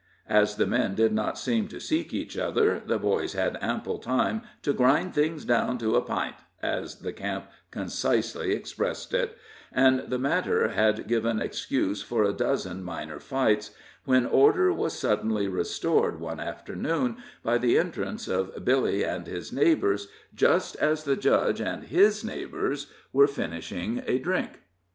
As the men did not seem to seek each other, the boys had ample time to "grind things down to a pint," as the camp concisely expressed it, and the matter had given excuse for a dozen minor fights, when order was suddenly restored one afternoon by the entrance of Billy and his neighbors, just as the Judge and his neighbors were finishing a drink.